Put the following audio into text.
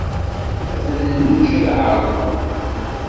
Ad ten-neǧǧ ad ɛerḍen.